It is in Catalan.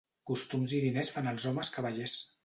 Costums i diners fan els homes cavallers.